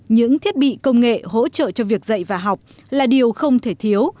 những thiết bị công nghệ hỗ trợ cho việc dạy và học là điều không thể thiếu